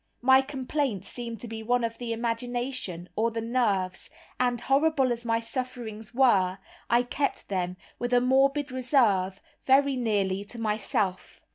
My complaint seemed to be one of the imagination, or the nerves, and, horrible as my sufferings were, I kept them, with a morbid reserve, very nearly to myself.